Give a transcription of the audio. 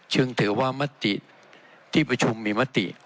ชึ่งเถอะว่ามัธิที่ประชุมมีมัธิ